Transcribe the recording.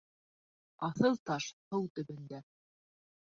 Аҫыл таш һыу төбөндә